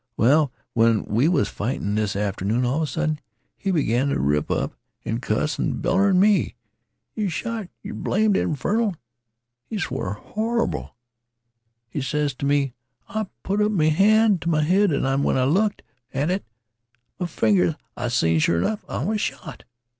Well, when we was a fightin' this atternoon, all of a sudden he begin t' rip up an' cuss an' beller at me. 'Yer shot, yeh blamed infernal!' he swear horrible he ses t' me. I put up m' hand t' m' head an' when I looked at m' fingers, I seen, sure 'nough, I was shot.